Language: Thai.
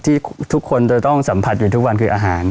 ที่ทุกคนจะต้องสัมผัสอยู่ทุกวันคืออาหาร